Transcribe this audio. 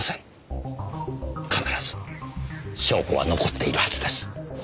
必ず証拠は残っているはずです。